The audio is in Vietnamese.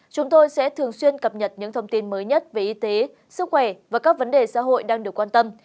chúng tôi sẽ thường xuyên cập nhật những thông tin mới nhất về y tế sức khỏe và các vấn đề xã hội đang được quan tâm